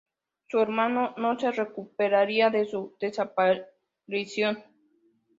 Su hermano no se recuperaría de su desaparición.